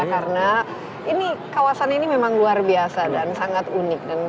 karena ini kawasan ini memang luar biasa dan sangat unik